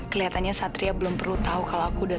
kelihatannya satria belum perlu tahu kalau aku udah